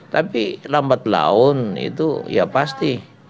tapi lambat laun itu ya pasti